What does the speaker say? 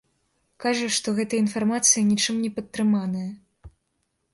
Кажа, што гэтая інфармацыя нічым не падтрыманая.